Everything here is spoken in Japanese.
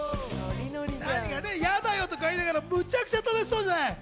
「ヤダよ」とか言いながらむちゃくちゃ楽しそうじゃない。